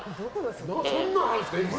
そんなのあるんですか。